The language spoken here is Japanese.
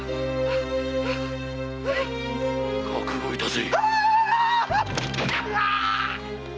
覚悟いたせ！